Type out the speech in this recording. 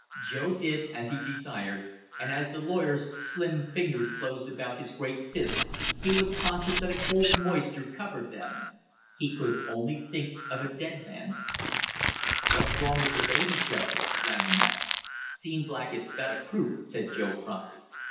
Joe did as he desired, and as the lawyer's slim fingers closed about his great fist he was conscious that a cold moisture covered them. He could only think of a dead man's hand. "What's wrong with the baby, Joe?" Langham asked. "Seems like it's got a croup," said Joe promptly.